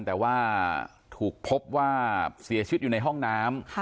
แต่ว่าถูกพบว่าเสียชีวิตอยู่ในห้องน้ำ